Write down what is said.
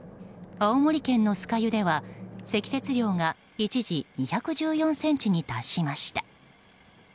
青森県の酸ヶ湯では積雪量が一時、２１４ｃｍに達しました。